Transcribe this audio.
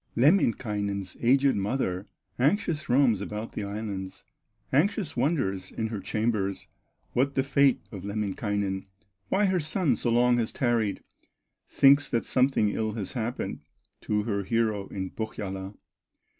Lemminkainen's aged mother Anxious roams about the islands, Anxious wonders in her chambers, What the fate of Lemminkainen, Why her son so long has tarried; Thinks that something ill has happened To her hero in Pohyola.